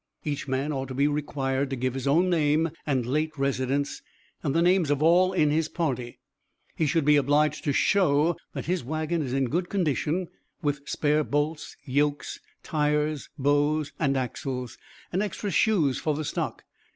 Each man ought to be required to give his own name and late residence, and the names of all in his party. He should be obliged to show that his wagon is in good condition, with spare bolts, yokes, tires, bows and axles, and extra shoes for the stock.